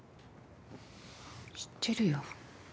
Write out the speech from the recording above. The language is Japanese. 知ってるよ。